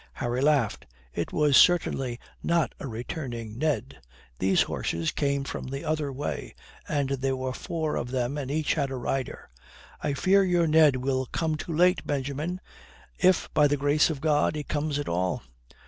Harry laughed. It was certainly not a returning Ned. These horses came from the other way, and there were four of them and each had a rider. "I fear your Ned will come too late, Benjamin if, by the grace of God, he comes at all."